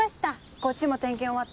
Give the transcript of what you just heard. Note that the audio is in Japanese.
こっちも点検終わった。